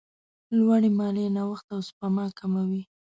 لوړې مالیې نوښت او سپما کموي.